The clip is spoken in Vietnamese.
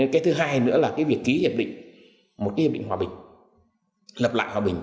cái thứ hai nữa là cái việc ký hiệp định một hiệp định hòa bình lập lại hòa bình